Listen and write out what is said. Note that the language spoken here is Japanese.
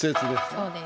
そうです。